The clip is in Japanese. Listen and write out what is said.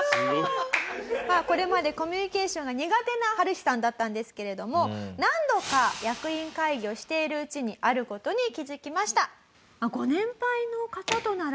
これまでコミュニケーションが苦手なハルヒさんだったんですけれども何度か役員会議をしているうちにある事に気づきました。